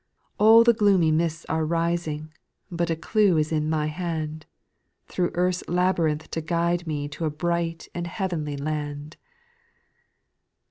All the gloomy mists are rising, But a clue is in my hand, Thro' earth's labyrinth to guide me To a bright and heavenly land.